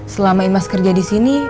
selama imas kerja di sini